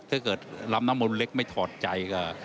ถ้าลำน้ำมูลเล็กไม่ถอดใจก็